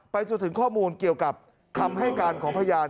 จนถึงข้อมูลเกี่ยวกับคำให้การของพยาน